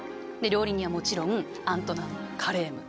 料理人はもちろんアントナン・カレーム。